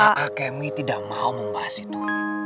a'ah kemi tidak mau membahas itu